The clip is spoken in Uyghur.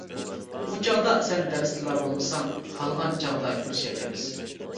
ئۇ چاغدا سەن دەرستىلا بولمىساڭ، خالىغان چاغدا كۆرۈشەلەيمىز.